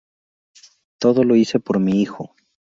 Todo lo hice por mi hijo.